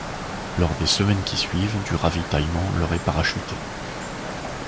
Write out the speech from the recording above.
Lors des semaines qui suivent, du ravitaillement leur est parachuté.